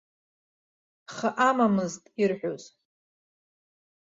Хы амамызт ирҳәоз.